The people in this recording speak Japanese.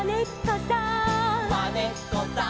「まねっこさん」